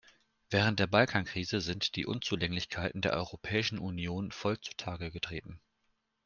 Während der Balkan-Krise sind die Unzulänglichkeiten der Europäischen Union voll zutage getreten.